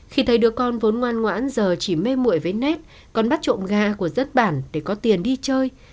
khi thấy đứa con vốn ngoan ngoãn giờ chỉ mê mụi với nét con bắt trộm ga của dân bản để có tiền đi chơi